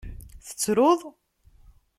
Tettruḍ?